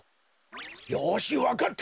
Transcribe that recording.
よしわかった。